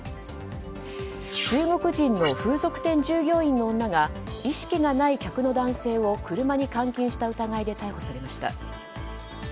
中国人の風俗店従業員の女が意識がない客の男性を車に監禁した疑いで逮捕されました。